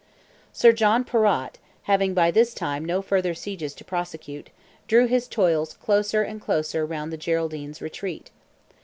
Sir John Perrott, having by this time no further sieges to prosecute, drew his toils closer and closer round the Geraldine's retreat.